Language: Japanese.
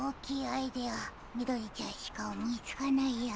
アイデアみどりちゃんしかおもいつかないや。